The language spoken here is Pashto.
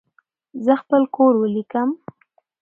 زه خپل کور ولیکم.